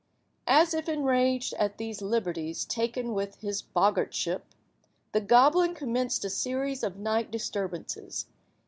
As if enraged at these liberties taken with his boggartship, the goblin commenced a series of night disturbances.